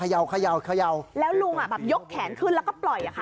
เขย่าแล้วลุงอ่ะแบบยกแขนขึ้นแล้วก็ปล่อยอะค่ะ